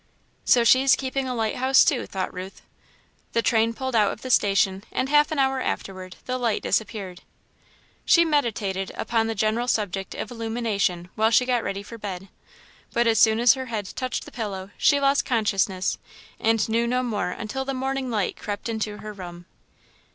"So she's keeping a lighthouse, too," thought Ruth. The train pulled out of the station and half an hour afterward the light disappeared. She meditated upon the general subject of illumination while she got ready for bed, but as soon as her head touched the pillow she lost consciousness and knew no more until the morning light crept into her room.